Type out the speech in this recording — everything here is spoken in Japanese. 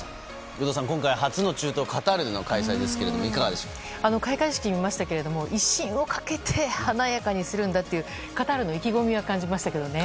有働さん、今回は初の中東カタールでの開催ですけど開会式を見ましたけれども威信をかけて華やかにするんだというカタールの意気込みを感じましたね。